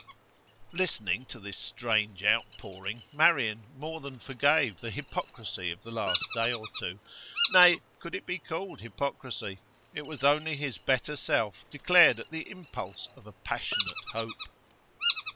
Listening to this strange outpouring, Marian more than forgave the hypocrisy of the last day or two. Nay, could it be called hypocrisy? It was only his better self declared at the impulse of a passionate hope.